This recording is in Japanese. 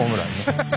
ハハハハ！